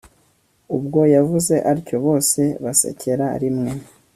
ubwo yavuze atyo, bose basekera rimwe